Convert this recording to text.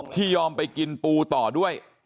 ยอมไปกินปูต่อด้วย